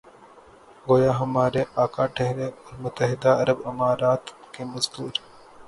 گویا ہمارے آقا ٹھہرے اور متحدہ عرب امارات کے مزدور۔